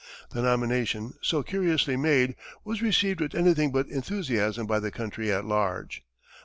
The nomination, so curiously made, was received with anything but enthusiasm by the country at large.